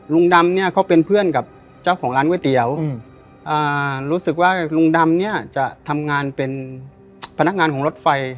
ลุงดำเนี่ยเขาเป็นเพื่อนกับเจ้าของร้านก๋วยเตี๋ยวรู้สึกว่าลุงดำเนี่ยจะทำงานเป็นพนักงานของรถไฟ